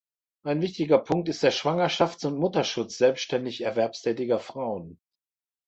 Ein wichtiger Punkt ist der Schwangerschafts- und Mutterschutz selbständig erwerbstätiger Frauen.